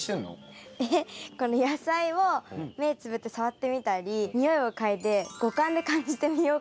この野菜を目つぶって触ってみたり匂いを嗅いで五感で感じてみようかなって思って。